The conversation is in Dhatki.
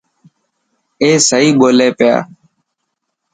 اي سئي ٻولي پيا.